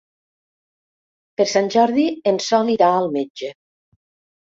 Per Sant Jordi en Sol irà al metge.